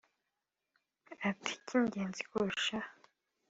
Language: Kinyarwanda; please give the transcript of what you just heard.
Ati “Icy’ingenzi kurushaho